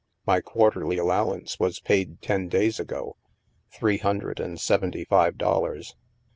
" My quarterly allowance was paid ten days ago ; three hundred and seventy five dollars.